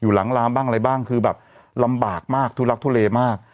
หลังลามบ้างอะไรบ้างคือแบบลำบากมากทุลักทุเลมาก